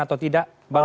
atau tidak bang